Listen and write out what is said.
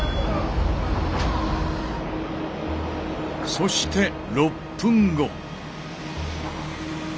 そして６分後。